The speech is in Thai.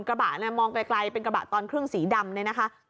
กระบะเนี่ยมองไกลเป็นกระบะตอนเครื่องสีดำเนี่ยนะคะ